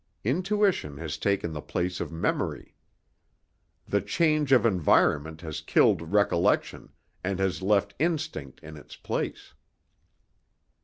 Intuition has taken the place of memory. The Change of environment has killed recollection, and has left instinct in its place.